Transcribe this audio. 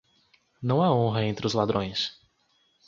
Não há honra entre os ladrões.